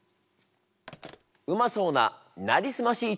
うまそうな「なりすまし」一丁！